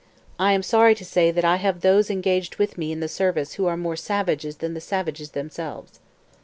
I am sorry to say that I have those engaged with me in the service who are more savage than the savages themselves.'